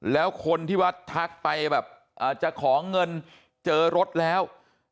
แล้วคนที่วัดทักไปแบบจะขอเงินเจอรถแล้ว